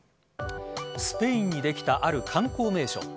スペインにできたある観光名所